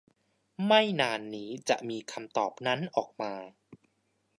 ไม่นานนี้จะมีคำตอบนั้นออกมา